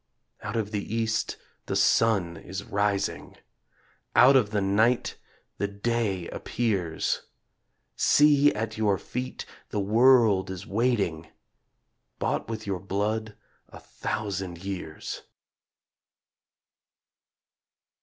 Out of the East the sun is rising, Out of the night the day appears; See! at your feet the world is waiting, Bought with your blood a thousand years.